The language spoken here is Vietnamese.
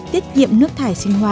tiết kiệm nước thải sinh hoạt